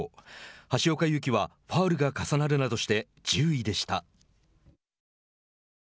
橋岡優輝はファウルが重なるなどして１０位でした。